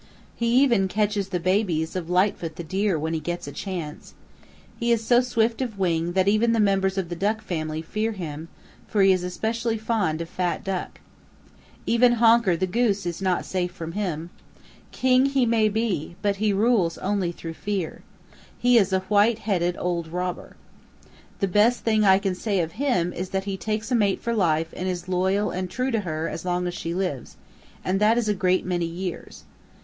He even catches the babies of Lightfoot the Deer when he gets a chance. He is so swift of wing that even the members of the Duck family fear him, for he is especially fond of fat Duck. Even Honker the Goose is not safe from him. King he may he, but he rules only through fear. He is a white headed old robber. The best thing I can say of him is that he takes a mate for life and is loyal and true to her as long as she lives, and that is a great many years.